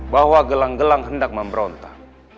bahwa gelang gelang hendak memberontak